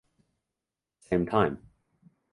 Same time